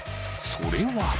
それは。